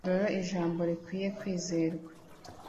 “dore ijambo rikwiye kwizerwa: